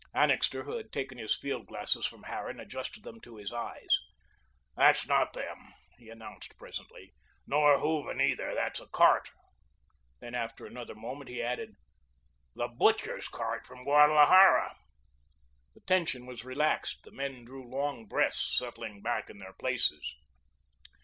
Annixter, who had taken his field glasses from Harran, adjusted them to his eyes. "That's not them," he announced presently, "nor Hooven either. That's a cart." Then after another moment, he added, "The butcher's cart from Guadalajara." The tension was relaxed. The men drew long breaths, settling back in their places.